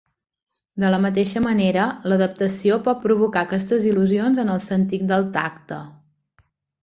De la mateixa manera, l'adaptació pot provocar aquestes il·lusions en el sentit del tacte.